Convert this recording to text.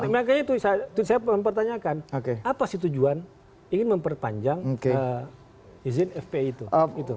makanya itu saya mempertanyakan apa sih tujuan ingin memperpanjang izin fpi itu